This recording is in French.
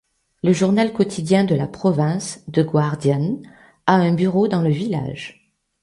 Le journal quotidien de la province, The Guardian, a un bureau dans le village.